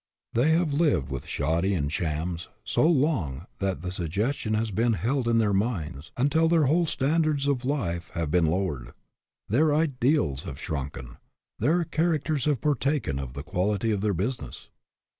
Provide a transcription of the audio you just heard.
They have lived with shoddy and shams so long that the sug gestion has been held in their minds until their whole standards of life have been lowered; their ideals have shrunken; their characters have partaken of the quality of their business.